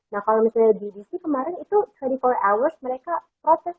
nah kalo misalnya gdc kemarin itu dua puluh empat hours mereka protes